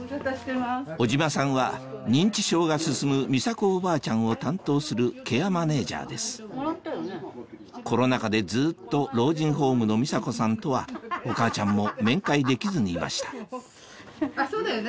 小島さんは認知症が進むみさ子おばあちゃんを担当するケアマネジャーですコロナ禍でずっと老人ホームのみさ子さんとはお母ちゃんも面会できずにいましたそうだよね。